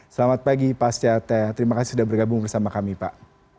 selamat pagi pak setia teh terima kasih sudah bergabung bersama kami pak